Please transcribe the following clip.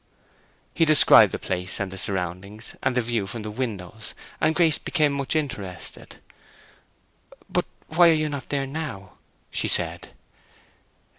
He described the place, and the surroundings, and the view from the windows, and Grace became much interested. "But why are you not there now?" she said.